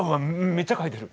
めっちゃ書いてる。